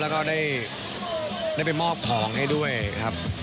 แล้วก็ได้ไปมอบของให้ด้วยครับ